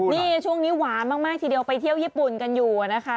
นี่ช่วงนี้หวานมากทีเดียวไปเที่ยวญี่ปุ่นกันอยู่นะคะ